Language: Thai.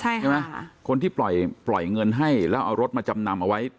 ใช่ไหมค่ะคนที่ปล่อยปล่อยเงินให้แล้วเอารถมาจำนำเอาไว้